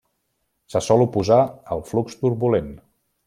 Se sol oposar al flux turbulent.